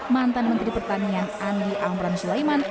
mantan menteri pertanian andi amran sulaiman